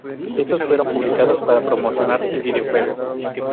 Estos fueron publicados para promocionar el videojuego.